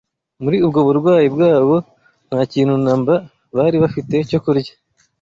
Muri ubwo burwayi bwabo, nta kintu na mba bari bafite cyo kurya